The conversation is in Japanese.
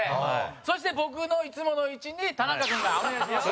そして、僕のいつもの位置に田中君が。お願いします。